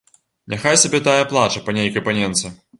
Няхай сабе тая плача па нейкай паненцы.